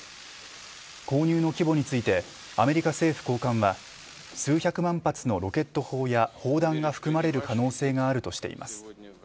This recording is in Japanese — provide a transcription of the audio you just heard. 購入の規模についてアメリカ政府高官は数百万発のロケット砲や砲弾が含まれる可能性があるとしています。